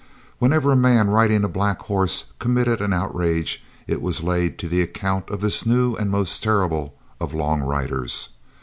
Wherever a man riding a black horse committed an outrage it was laid to the account of this new and most terrible of long riders.